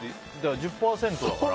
１０％だから。